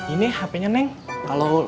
ini hp nya neng kalau